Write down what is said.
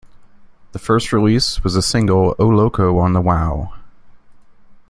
Their first release was the single "O'Locco" on the Wau!